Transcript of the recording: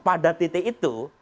pada titik itu